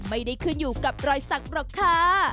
ไม่ได้ขึ้นอยู่กับรอยสักหรอกค่ะ